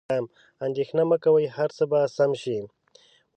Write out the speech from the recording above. اندیښنه مه کوئ، هر څه به سم شي.